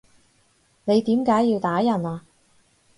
你點解要打人啊？